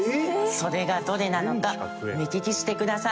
それがどれなのか目利きしてください。